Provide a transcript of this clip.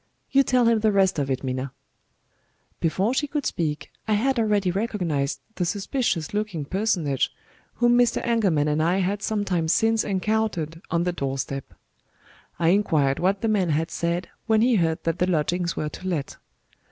You tell him the rest of it, Minna." Before she could speak, I had already recognized the suspicious looking personage whom Mr. Engelman and I had some time since encountered on the door step. I inquired what the man had said when he heard that the lodgings were to let.